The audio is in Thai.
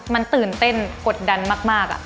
มันตื่นเต้นกดดันมาก